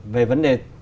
về vấn đề